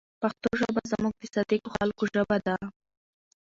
پښتو ژبه زموږ د صادقو خلکو ژبه ده.